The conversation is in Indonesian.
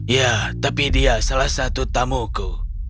ya tapi dia salah satu tamuku